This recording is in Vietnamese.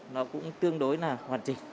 nó cũng tương đối là hoàn chỉnh